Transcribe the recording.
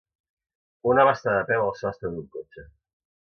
Un home està de peu al sostre d'un cotxe.